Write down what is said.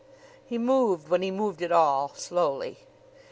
He moved when he moved at all slowly.